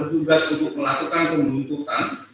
tugas untuk melakukan pembuntutan